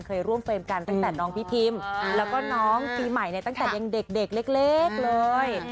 เคยร่วมเฟรมกันตั้งแต่น้องพี่พิมแล้วก็น้องปีใหม่เนี่ยตั้งแต่ยังเด็กเล็กเลย